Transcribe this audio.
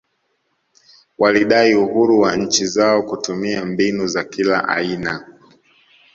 Walidai uhuru wa nchi zao kutumia mbinu za kila aina